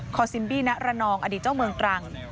ซิมบี้ณระนองอดีตเจ้าเมืองตรัง